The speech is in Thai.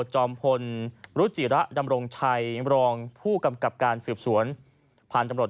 จอมพลรุ่งจิระและพกสืบศวน